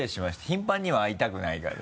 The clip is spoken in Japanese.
頻繁には会いたくないから。